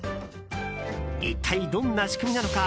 一体どんな仕組みなのか